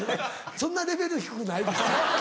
そんなレベル低くないです。